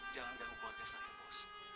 jangan ganggu keluarga saya bos